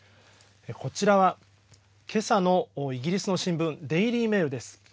こちらは今朝のイギリスの新聞デイリーメールです。